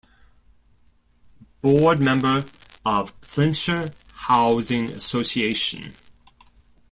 Board Member of Flintshire Housing Association.